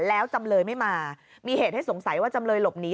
แล้วจำเลยไม่มามีเหตุให้สงสัยว่าจำเลยหลบหนี